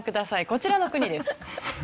こちらの国です。